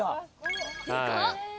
・でかっ！